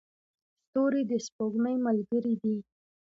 ستوري د سپوږمۍ ملګري دي.